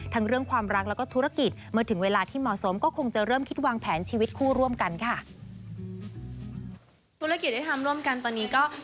เรื่องความรักแล้วก็ธุรกิจเมื่อถึงเวลาที่เหมาะสมก็คงจะเริ่มคิดวางแผนชีวิตคู่ร่วมกันค่ะ